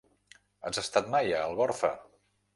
Has estat mai a Algorfa?